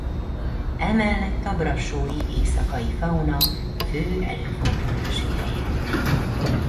Emellett a brassói éjszakai fauna fő előfordulási helye.